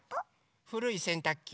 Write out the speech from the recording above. ふるいせんたくき？